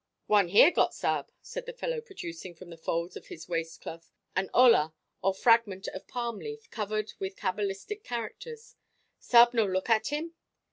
"One here got, sa'b," said the fellow, producing from the folds of his waist cloth an ola or fragment of palm leaf, covered with cabalistic characters. "Sa'b no look at him?"